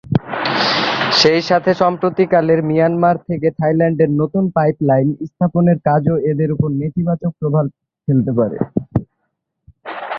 সেই সাথে সাম্প্রতিককালের মিয়ানমার থেকে থাইল্যান্ডে নতুন পাইপলাইন স্থাপনের কাজও এদের ওপর নেতিবাচক প্রভাব ফেলতে পারে।